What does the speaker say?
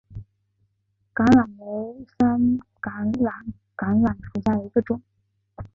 桃榄为山榄科桃榄属下的一个种。